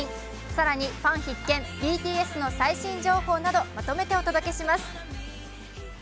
更にファン必見、ＢＴＳの最新情報などまとめてお届けします。